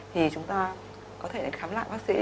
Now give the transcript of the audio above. thì chúng ta có thể khám lại bác sĩ